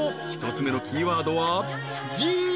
１つ目のキーワードは「ギ」］